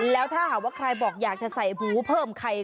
แล้วถ้าหากว่าใครบอกอยากจะใส่หูเพิ่มไข่